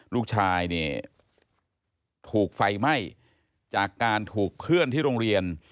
ลูกชายเนี่ยถูกไฟไหม้จากการถูกเพื่อนที่โรงเรียน